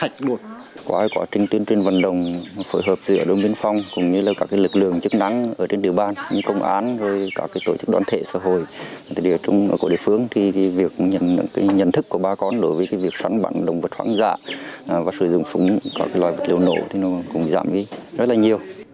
công an các tổ chức đoán thể xã hội địa chung ở cổ địa phương thì việc nhận thức của bà con đối với việc sẵn bản đồng vật khoảng dạ và sử dụng súng các loại vật liều nổ cũng giảm rất nhiều